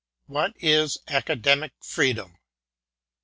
What is Academic Freedom